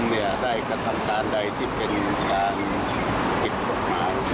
เนี่ยได้กระทำการใดที่เป็นการผิดกฎหมาย